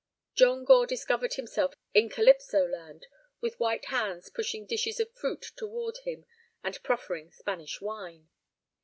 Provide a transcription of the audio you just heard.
John Gore discovered himself in Calypso land, with white hands pushing dishes of fruit toward him and proffering Spanish wine.